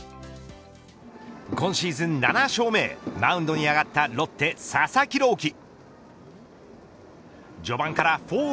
今シーズン７勝目へマウンドに上がったロッテ佐々木朗希。